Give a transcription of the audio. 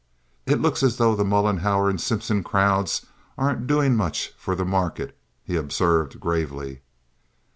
"It looks as though the Mollenhauer and Simpson crowds aren't doing much for the market," he observed, gravely.